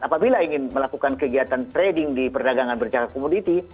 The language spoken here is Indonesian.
apabila ingin melakukan kegiatan trading di perdagangan bercara komoditi